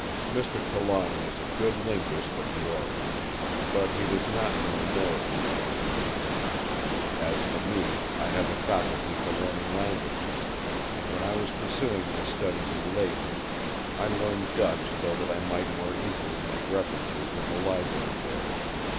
Mr. Trelawny is a good linguist of the Orient, but he does not know Northern tongues. As for me I have a faculty for learning languages; and when I was pursuing my studies in Leyden I learned Dutch so that I might more easily make references in the library there.